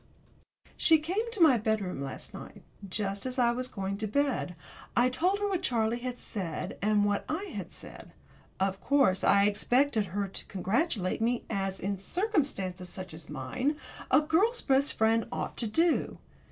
She came to my bedroom last night, just as I was going to bed. I told her what Charlie had said, and what I had said. Of course I expected her to congratulate me as, in circumstances such as mine, a girl's best friend ought to do.